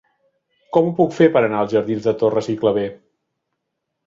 Com ho puc fer per anar als jardins de Torres i Clavé?